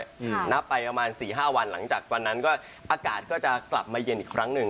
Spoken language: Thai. นับไปประมาณสี่ห้าวันหลังจากวันนั้นก็อากาศก็จะกลับมาเย็นอีกครั้งหนึ่ง